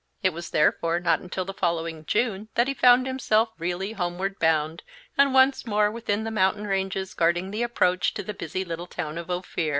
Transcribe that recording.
It was therefore not until the following June that he found himself really homeward bound and once more within the mountain ranges guarding the approach to the busy little town of Ophir.